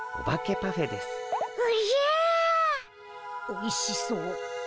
おいしそう。